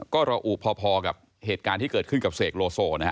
ก็ระอุพอกับเหตุการณ์ที่เกิดขึ้นกับเสกโลโซนะฮะ